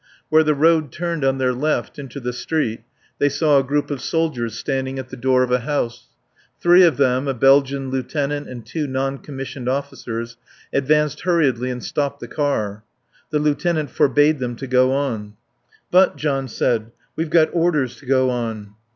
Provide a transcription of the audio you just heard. Where the road turned on their left into the street they saw a group of soldiers standing at the door of a house. Three of them, a Belgian lieutenant and two non commissioned officers, advanced hurriedly and stopped the car. The lieutenant forbade them to go on. "But," John said, "we've got orders to go on."